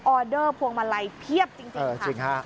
อเดอร์พวงมาลัยเพียบจริงฮะ